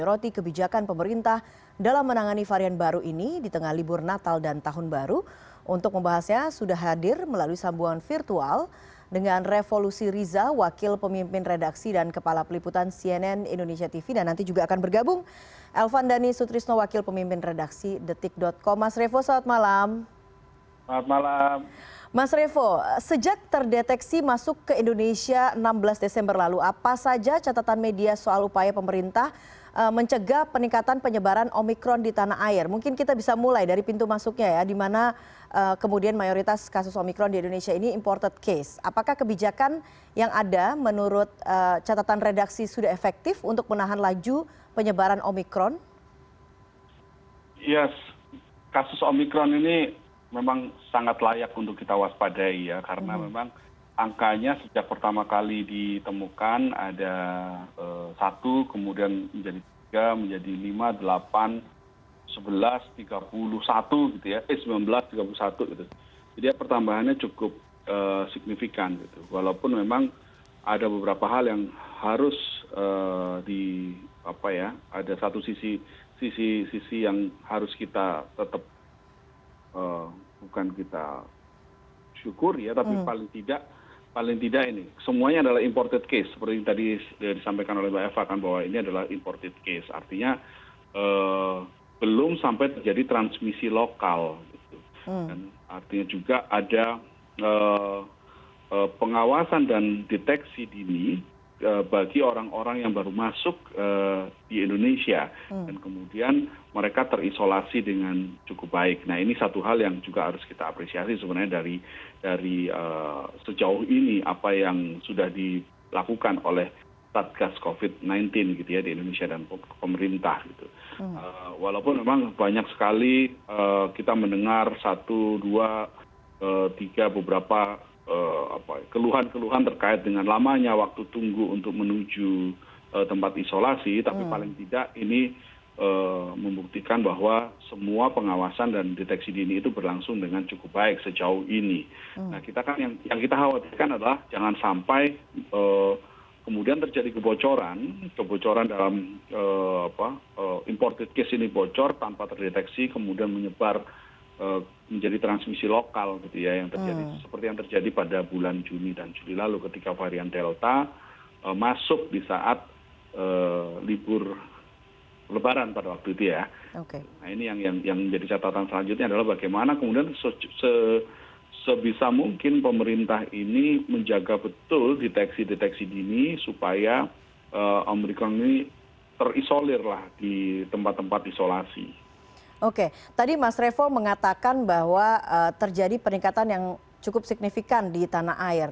oke tadi mas revo mengatakan bahwa terjadi peningkatan yang cukup signifikan di tanah air